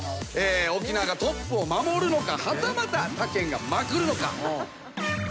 沖縄がトップを守るのかはたまた他県がまくるのか。